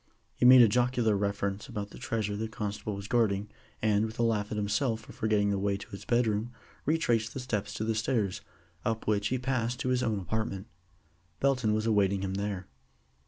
He made a jocular reference about the treasure the constable was guarding, and, with a laugh at himself for forgetting the way to his bedroom, retraced his steps to the stairs, up which he passed to his own apartment. Belton was awaiting him there.